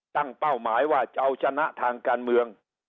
เป้าหมายว่าจะเอาชนะทางการเมือง